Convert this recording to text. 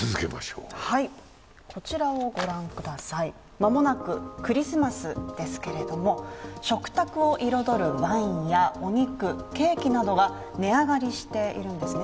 間もなくクリスマスですけれども、食卓を彩るワインやお肉、ケーキなどが値上がりしているんですね。